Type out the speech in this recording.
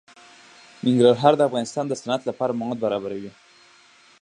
ننګرهار د افغانستان د صنعت لپاره مواد برابروي.